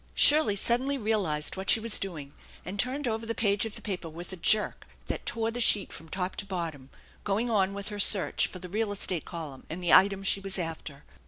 Shirley suddenly realized what she was doing and turned over the page of the paper with a jerk that tore the sheet from top to bottom, going on with her search for the real estate column and the item she was after.